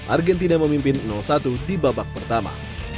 argentina memimpin satu di babak pertama